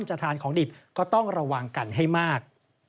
จะทานของดิบก็ต้องระวังกันให้มาก